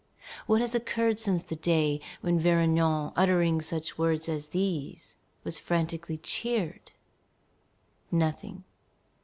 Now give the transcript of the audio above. What has occurred since the day when Vergniaud, uttering such words as these, was frantically cheered? Nothing.